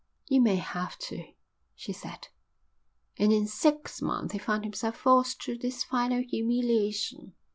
"You may have to," she said. And in six months he found himself forced to this final humiliation.